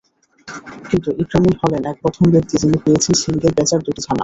কিন্তু ইকরামুল হলেন প্রথম ব্যক্তি, যিনি পেয়েছেন শিঙ্গেল প্যাঁচার দুটি ছানা।